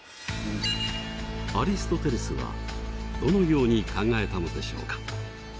アリストテレスはどのように考えたのでしょうか？